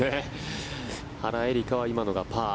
原英莉花は今のがパー。